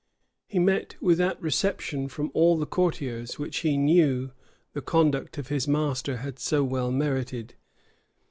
He met with that reception from all the courtiers which he knew the conduct of his master had so well merited.